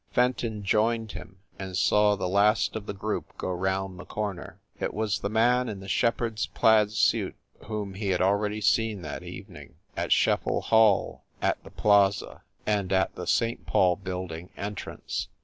Fenton joined him, and saw the last of the group go round the corner: It was the man in the shepherd s plaid suit whom he had already seen that evening, at Scheffel Hall, at the Plaza, and at the St. Paul building entrance.